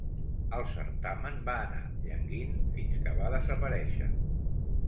El certamen va anar llanguint fins que va desaparèixer.